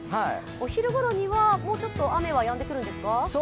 お昼ごろには、もうちょっと雨はやんでくるんですか？